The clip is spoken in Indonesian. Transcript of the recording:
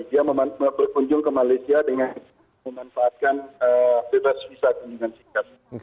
dia berkunjung ke malaysia dengan memanfaatkan bebas visa kunjungan singkat